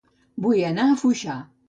Vull anar a Foixà